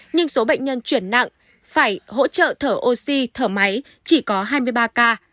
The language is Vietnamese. nhưng số bệnh nhân chuyển nặng phải hỗ trợ thở oxy thở máy chỉ có hai mươi ba ca